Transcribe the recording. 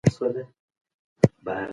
تاسو په موزیلا کې برخه اخیستل غواړئ؟